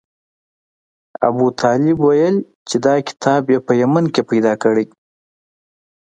ابوطالب ویل چې دا کتاب یې په یمن کې پیدا کړی.